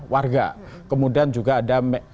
warga kemudian juga ada